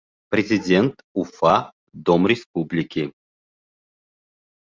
Президент Уфа, Дом Республики